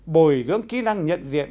bồi dưỡng kỹ năng nhận diện